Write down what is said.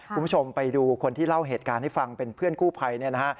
คุณผู้ชมไปดูคนที่เล่าเหตุการณ์ให้ฟังเป็นเพื่อนกู้ภัยเนี่ยนะฮะ